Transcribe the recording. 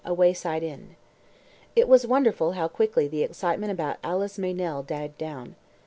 A WAYSIDE INN. It was wonderful how quickly the excitement about Alice Meynell died down.